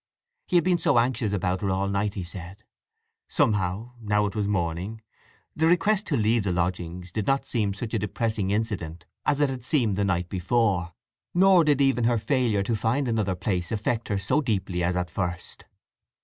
He had been so anxious about her all night, he said. Somehow, now it was morning, the request to leave the lodgings did not seem such a depressing incident as it had seemed the night before, nor did even her failure to find another place affect her so deeply as at first.